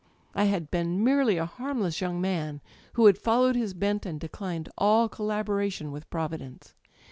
I had been merely a harmless young man» who had followed his bent and declined all collaboration with Providence.